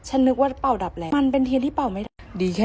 ฉันนึกว่าเบาดับแล้วมันเป็นเดี๋ยวที่เบาใหม่ดีแค่